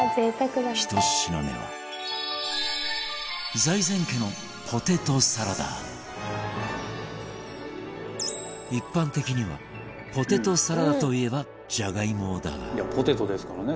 １品目は一般的にはポテトサラダといえばじゃがいもだがカズレーザー：ポテトですからね